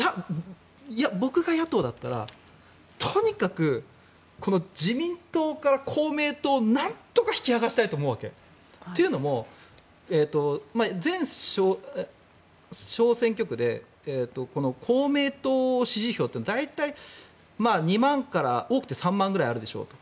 僕が野党だったらとにかく自民党から公明党をなんとか引き剥がしたいと思うわけ。というのも、全小選挙区で公明党支持票というのは大体２万から、多くて３万ぐらいあるでしょうと。